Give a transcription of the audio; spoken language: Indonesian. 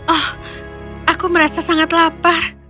oh aku merasa sangat lapar